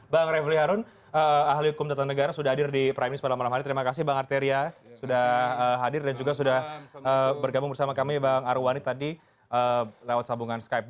bang refli harun ahli hukum tata negara sudah hadir di prime news malam malam hari terima kasih bang arteria sudah hadir dan juga sudah bergabung bersama kami bang arwani tadi lewat sambungan skype